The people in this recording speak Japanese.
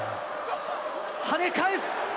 はね返す。